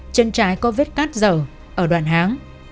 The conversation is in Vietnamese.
chân trái có vết cát dở ở đoạn háng